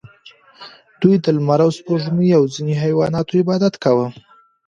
دوی د لمر او سپوږمۍ او ځینو حیواناتو عبادت کاوه